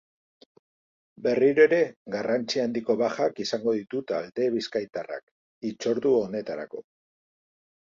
Berriro ere, garrantzi handiko bajak izango ditu talde bizkaitarrak hitzordu honetarako.